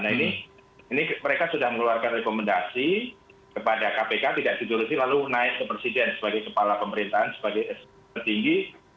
nah ini mereka sudah mengeluarkan rekomendasi kepada kpk tidak diturusi lalu naik ke presiden sebagai kepala pemerintahan sebagai tertinggi